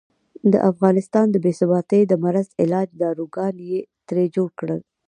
د افغانستان د بې ثباتۍ د مرض د علاج داروګان یې ترې جوړ کړل.